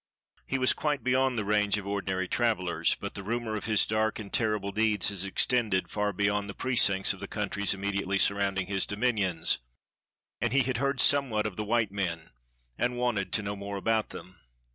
He was quite beyond the range of ordinary travelers; but the rumor of his dark and terri ble deeds had extended far beyond the precincts of the countries immediately surrounding his dominions, and he had heard somewhat of the white men, and wanted to know more about them.